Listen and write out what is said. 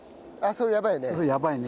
それやばいね。